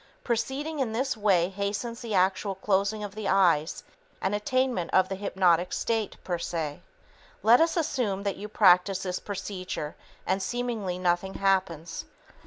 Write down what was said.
Proceeding in this way hastens the actual closing of the eyes and attainment of the hypnotic state, per se. Let us assume that you practice this procedure and seemingly nothing happens.